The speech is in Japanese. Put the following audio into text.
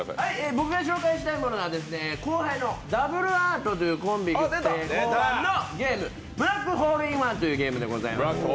僕が紹介したいものは後輩のダブルアートというコンビのゲーム、「ブラックホールインワン」というゲームです。